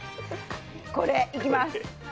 これいきます。